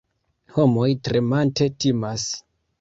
Homoj tremante timas.